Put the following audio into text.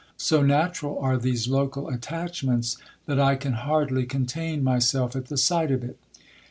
So natural are these local attachments, that I can hardly contain my self at the sight of it.